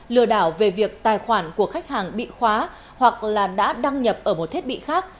lừa đảo về việc tài khoản của khách hàng bị khóa hoặc là đã đăng nhập ở một thiết bị khác